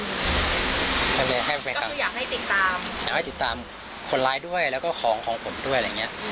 ทำไมให้แฟนคลับคืออยากให้ติดตามอยากให้ติดตามคนร้ายด้วยแล้วก็ของของผมด้วยอะไรอย่างเงี้ย